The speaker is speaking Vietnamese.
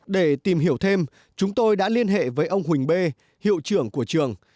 để tìm hiểu thêm chúng tôi đã liên hệ với ông huỳnh b hiệu trưởng của trường